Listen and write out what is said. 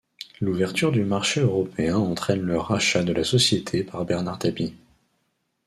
L’ouverture du marché européen entraine le rachat de la société par Bernard Tapie.